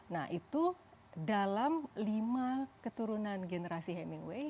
nah itu dalam lima keturunan generasi hamilway